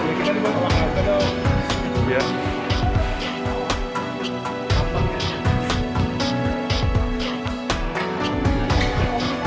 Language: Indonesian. mengirim ke kalau melihat kondisi kondisi ini hidup ini setiap mungkin juga berbeda